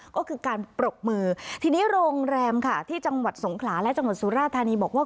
ก็คือการปรบมือทีนี้โรงแรมค่ะที่จังหวัดสงขลาและจังหวัดสุราธานีบอกว่า